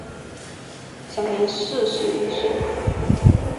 享年四十一岁。